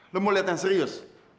lo mau lihat yang serius